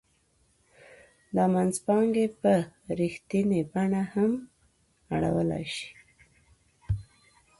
دا منځپانګې په رښتینې بڼه هم اړولای شي